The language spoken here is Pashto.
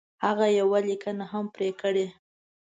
هغه یوه لیکنه هم پر کړې.